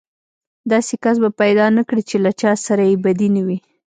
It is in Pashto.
داسې کس به پيدا نه کړې چې له چا سره يې بدي نه وي.